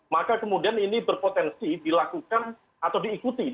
maka kemudian ini berpotensi dilakukan atau diikuti dengan mobilisasi masyarakat